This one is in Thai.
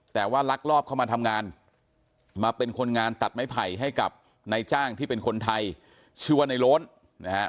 แต่ว่าลักลอบเข้ามาทำงานมาเป็นคนงานตัดไม้ไผ่ให้กับนายจ้างที่เป็นคนไทยชื่อว่าในโล้นนะฮะ